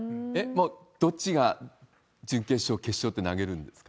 もうどっちが準決勝、決勝って投げるんですか？